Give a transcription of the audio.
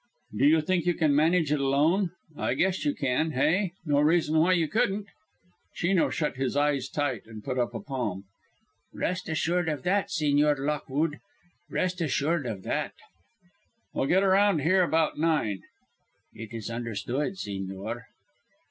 "Do you think you can manage alone? I guess you can, hey? No reason why you couldn't." Chino shut his eyes tight and put up a palm. "Rest assured of that, Sigñor Lockwude. Rest assured of that." "Well, get around here about nine." "It is understood, sigñor."